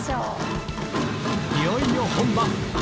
いよいよ本番！